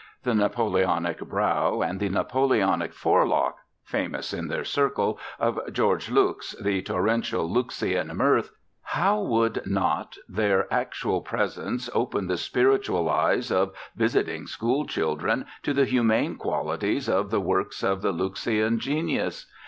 The Napoleonic brow and the Napoleonic forelock (famous in their circle) of George Luks, the torrential Luksean mirth, how would not their actual presence open the spiritual eyes of visiting school children to the humane qualities of the works of the Luksean genius!